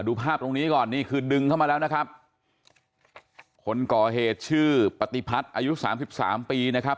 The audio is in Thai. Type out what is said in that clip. ภาพตรงนี้ก่อนนี่คือดึงเข้ามาแล้วนะครับคนก่อเหตุชื่อปฏิพัฒน์อายุสามสิบสามปีนะครับ